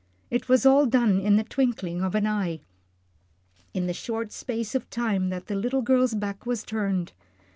It was all done in the twinkling of an eye in the short space of time that the little girl's back was turned.